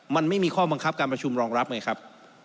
มันไม่มีข้อบังคับการประชุมรองรับไงครับ